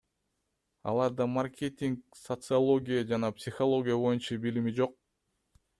Аларда маркетинг, социология жана психология боюнча билими жок.